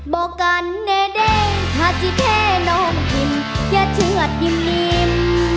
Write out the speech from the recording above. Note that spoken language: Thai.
บอกกันแน่ได้ถ้าจะแค่น้องมันกินอย่าเชื่อดินิ่ม